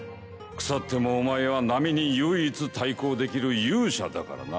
腐ってもお前は波に唯一対抗できる勇者だからな。